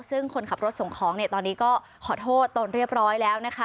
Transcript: ซึ่งคนขับรถส่งของเนี่ยตอนนี้ก็ขอโทษตนเรียบร้อยแล้วนะคะ